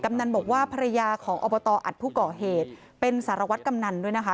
นันบอกว่าภรรยาของอบตอัดผู้ก่อเหตุเป็นสารวัตรกำนันด้วยนะคะ